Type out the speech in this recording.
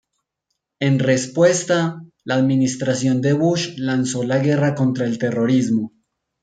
En respuesta, la administración de Bush lanzó la "guerra contra el terrorismo".